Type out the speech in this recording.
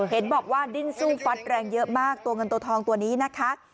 เห็นบอกว่าดิ้นสู้ฟัดแรงเยอะมากตัวเงินตัวทองตัวนี้นะคะ